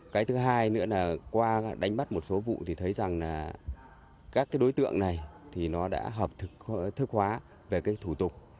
cái thứ hai nữa là qua đánh bắt một số vụ thì thấy rằng các đối tượng này đã hợp thức hóa về các thủ tục